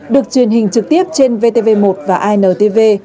được truyền hình trực tiếp trên vtv một và intv